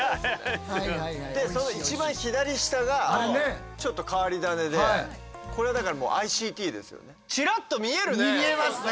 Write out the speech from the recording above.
でその一番左下がちょっと変わり種でこれはだからチラッと見えるね。